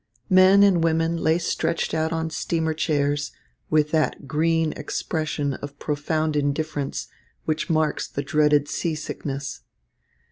Men and women lay stretched out on steamer chairs with that green expression of profound indifference which marks the dreaded seasickness.